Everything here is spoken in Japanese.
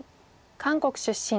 韓国出身。